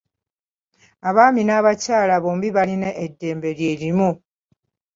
Abaami n'abakyala bombi balina eddembe lye limu.